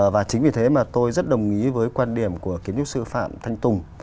và chính vì thế mà tôi rất đồng ý với quan điểm của kiến trúc sư phạm thanh tùng